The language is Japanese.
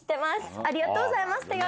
ありがとうございます、手紙。